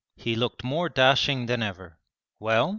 He looked more dashing than ever. 'Well?